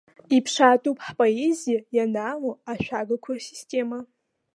Иԥшаатәуп ҳпоезиа ианаало ашәагақәа рсистема.